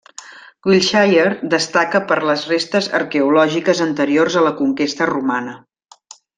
Wiltshire destaca per les restes arqueològiques anteriors a la conquesta romana.